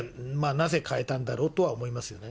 なぜ変えたんだろうとは思いますよね。